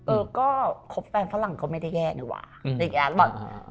เออก็ครอบแฟนฝรั่งก็ไม่ได้แก้ด้วยป่ะ